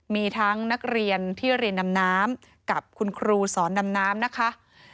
มีทั้งนักเรียนที่เรียนดำน้ำกับคุณครูสอนดำน้ำนะคะ